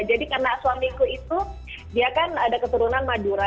jadi karena suamiku itu dia kan ada keturunan madura